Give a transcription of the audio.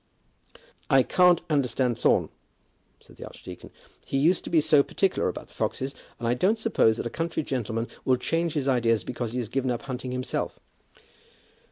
"I can't quite understand Thorne," said the archdeacon. "He used to be so particular about the foxes, and I don't suppose that a country gentleman will change his ideas because he has given up hunting himself."